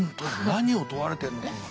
何を問われてるのかが。